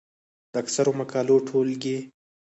د اکثرو مقالو ټولګې،